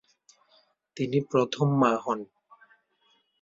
তিনি প্রথম মা হন।